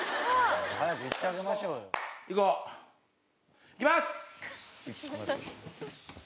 「早くいってあげましょうよ」いこう。いきます！